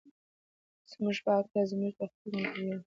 زموږ په هکله زموږ تر خپلو نظریو.